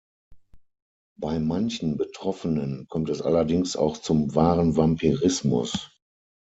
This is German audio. Bei manchen Betroffenen kommt es allerdings auch zum "wahren Vampirismus".